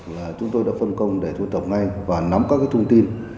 là chúng tôi đã phân công để thu tập ngay và nắm các thông tin